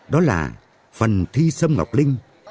đó là phần thi sâm ngọc linh